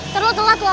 terlalu telat loh